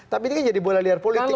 tapi ini kan jadi bola liar politik